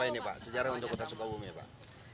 sejarah apa ini pak sejarah untuk kota supabumi ya pak